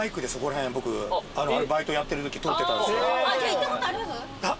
行ったことあります？